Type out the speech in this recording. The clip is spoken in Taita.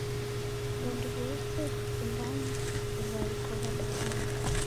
W'andu w'ose w'ikundane, wai kwa wadawana